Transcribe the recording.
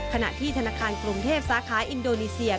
ขณะที่ธนาคารกรุงเทพสาขาอินโดนีเซีย